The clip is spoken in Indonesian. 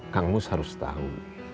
kang mus harus tahu